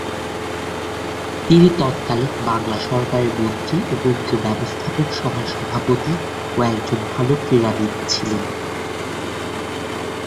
তিনি তৎকালীন বাংলা সরকারের মন্ত্রী ও বঙ্গীয় ব্যবস্থাপক সভার সভাপতি ও একজন ভালো ক্রীড়াবিদ ছিলেন।